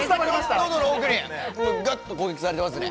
喉の奥にガっと攻撃されますね。